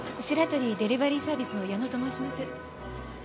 シラトリ・デリバリーサービスの矢野と申します。